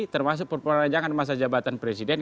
termasuk perpanjangan masa jabatan presiden